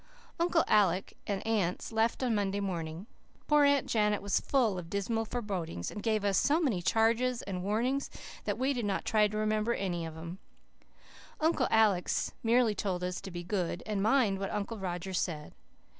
Uncle Alec and aunts left on Monday morning. Poor Aunt Janet was full of dismal forebodings, and gave us so many charges and warnings that we did not try to remember any of them; Uncle Alec merely told us to be good and mind what Uncle Roger said.